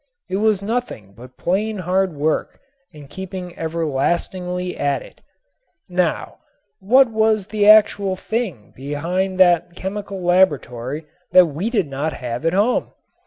It was nothing but plain hard work and keeping everlastingly at it. Now, what was the actual thing behind that chemical laboratory that we did not have at home?